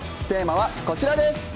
テーマはこちらです。